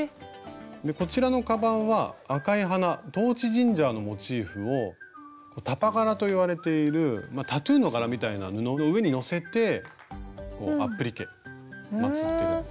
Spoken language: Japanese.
こちらのかばんは赤い花トーチジンジャーのモチーフをタパ柄といわれているタトゥーの柄みたいな布の上にのせてアップリケまつってる。